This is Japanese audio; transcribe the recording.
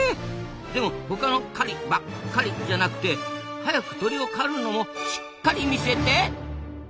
でも他の「狩り」ばっ「かり」じゃなくて早く鳥を狩るのもしっ「かり」見せて！